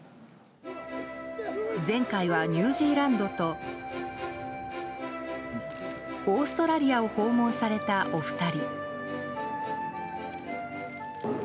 前回はニュージーランドとオーストラリアを訪問された、お二人。